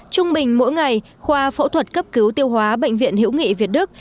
trung bình mỗi ngày khoa phẫu thuật cấp cứu tiêu hóa bệnh viện hữu nghị việt đức